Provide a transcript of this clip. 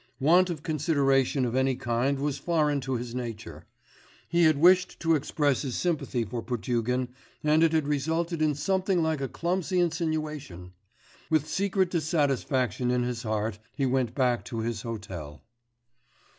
Want of consideration of any kind was foreign to his nature; he had wished to express his sympathy for Potugin, and it had resulted in something like a clumsy insinuation. With secret dissatisfaction in his heart, he went back to his hotel.